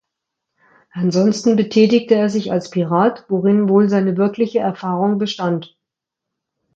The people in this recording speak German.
Ansonsten betätigte er sich als Pirat, worin wohl seine wirkliche Erfahrung bestand.